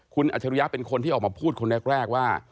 คุณอัจฉริยะเป็นคนที่ออกมาพูดคนแรกว่า